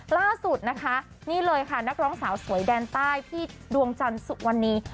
ล่าสุดนะคะนี่เลยค่ะนักร้องสาวสวยแดนใต้พี่ดวงจันทร์สุวรรณี